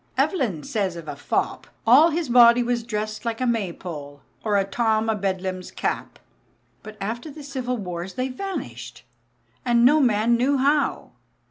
Evelyn says of a fop: "All his body was dressed like a maypole, or a Tom a Bedlam's cap." But after the Civil Wars they vanished, and no man knew how.